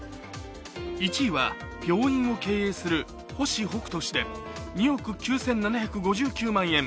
１位は病院を経営する星北斗氏で２億９７５９万円。